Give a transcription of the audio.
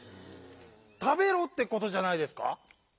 「たべろ」ってことじゃないですか？